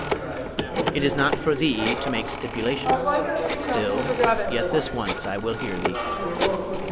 "It is not for thee to make stipulations. Still, yet this once I will hear thee."